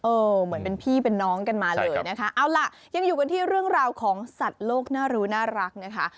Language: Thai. เหมือนเป็นพี่เป็นน้องกันมาเลยนะคะเอาล่ะยังอยู่กันที่เรื่องราวของสัตว์โลกน่ารู้น่ารักนะคะ